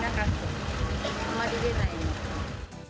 あまり出ないの。